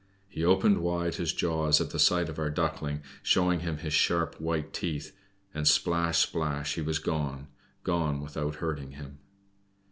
He opened wide his jaws at the sight of our Duckling, showing him his sharp white teeth, and, splash, splash! he was gone gone without hurting him.